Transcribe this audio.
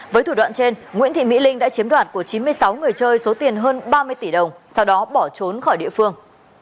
với thủ đoạn trên nguyễn thị mỹ linh đã chiếm đoạt của chín mươi sáu người chơi số tiền hơn ba mươi tỷ đồng sau đó bỏ trốn khỏi địa phương